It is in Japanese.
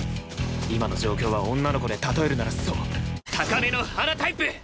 今の状況は女の子で例えるならそう高嶺の花タイプ！